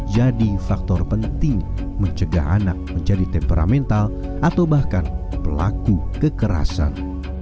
jadi faktor penting mencegah anak menjadi temperamental atau bahkan pelaku kekerasan